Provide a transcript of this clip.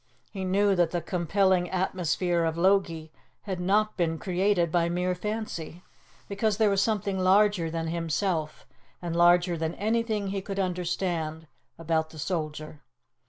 He knew that the compelling atmosphere of Logie had not been created by mere fancy, because there was something larger than himself, and larger than anything he could understand, about the soldier.